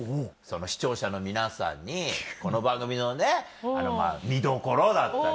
視聴者の皆さんにこの番組のね見どころだったりね。